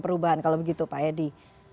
perubahan kalau begitu pak edi